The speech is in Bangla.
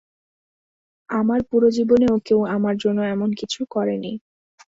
আমার পুরো জীবনেও কেউ আমার জন্য এমন কিছু করেনি।